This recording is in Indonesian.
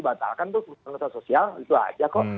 dibatalkan terus ke kementerian sosial itu aja kok